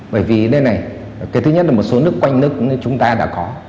bởi vì đây này cái thứ nhất là một số nước quanh nước chúng ta đã có